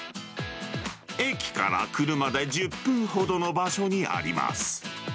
駅から車で１０分ほどの場所にあります。